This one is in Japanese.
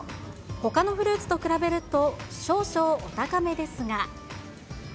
ほかのフルーツと比べると、少々お高めですが。